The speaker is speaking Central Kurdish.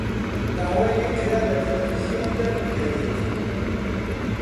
داوای لێ کرا لە تەلەڤیزیۆن دەربکەوێت.